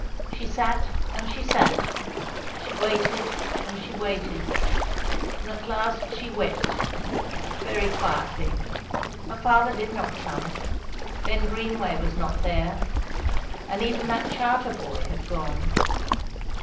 She sat, and she sat; she waited, and she waited; and at last she wept, but very quietly. Her father did not come; Ben Greenway was not there; and even that Charter boy had gone.